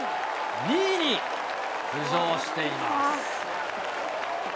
２位に浮上しています。